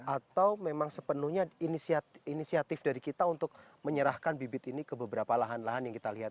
atau memang sepenuhnya inisiatif dari kita untuk menyerahkan bibit ini ke beberapa lahan lahan yang kita lihat